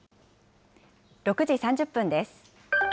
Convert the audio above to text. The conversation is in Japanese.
６時３０分です。